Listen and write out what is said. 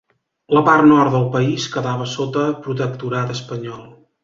La part nord del país quedava sota protectorat espanyol.